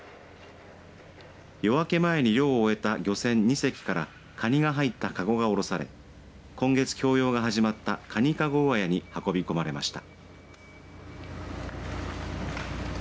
夜明け前に漁を終えた漁船２隻からカニが入ったかごが降ろされ今月供用が始まったかにかご上屋に運び込まれました。